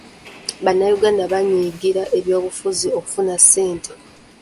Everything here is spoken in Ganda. Bannayuganda bayingira eby'obufuzi okufuna ssente.